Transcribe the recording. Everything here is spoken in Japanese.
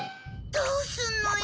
どうすんのよ？